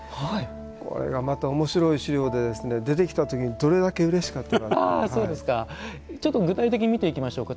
これがまたおもしろい資料で出てきた時にちょっと具体的に見ていきましょうか。